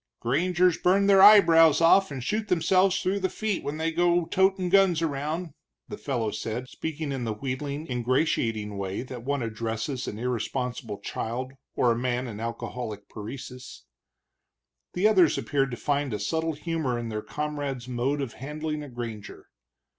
"Grangers burn their eyebrows off and shoot theirselves through the feet when they go totin' guns around," the fellow said, speaking in the wheedling, ingratiating way that one addresses an irresponsible child or a man in alcoholic paresis. The others appeared to find a subtle humor in their comrade's mode of handling a granger.